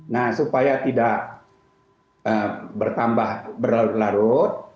nah supaya tidak bertambah berlarut larut